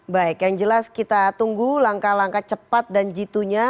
baik yang jelas kita tunggu langkah langkah cepat dan jitunya